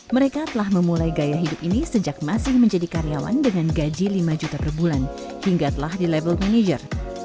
mereka telah memulai gaya hidup ini sejak masih menjadi karyawan dengan gaji lima juta per bulan hingga telah di level manager